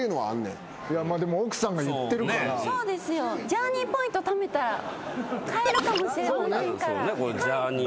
ジャーニーポイントためたら買えるかもしれませんから。